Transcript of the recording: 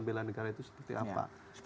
bela negara itu seperti apa